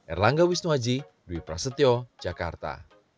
erlangga wisnuwaji dwi prasetyo jakarta